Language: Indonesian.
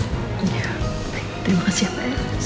terima kasih pak